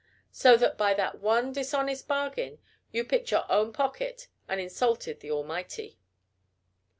So that, by that one dishonest bargain, you picked your own pocket and insulted the Almighty.